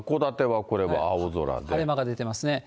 晴れ間が出てますね。